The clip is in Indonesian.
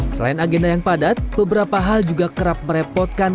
selain agenda yang padat beberapa hal juga kerap merepotkan